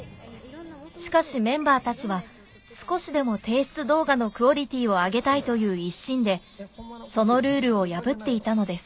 しかしメンバーたちは少しでも提出動画のクオリティーを上げたいという一心でそのルールを破っていたのです